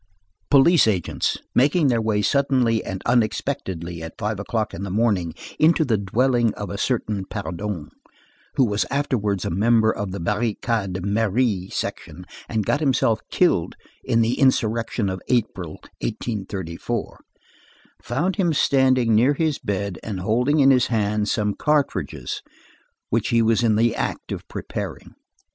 Police agents, making their way suddenly and unexpectedly at five o'clock in the morning, into the dwelling of a certain Pardon, who was afterwards a member of the Barricade Merry section and got himself killed in the insurrection of April, 1834, found him standing near his bed, and holding in his hand some cartridges which he was in the act of preparing.